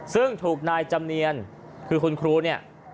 ซึ่งถูกนายจำเนียนคือคุณครูเนี่ย